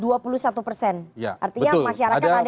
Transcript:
artinya masyarakat ada yang swing voters nih